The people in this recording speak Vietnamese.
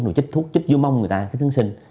rồi chích thuốc chích vô mông người ta chích hướng sinh